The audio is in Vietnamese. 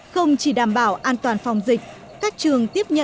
không chỉ đảm bảo an toàn phòng dịch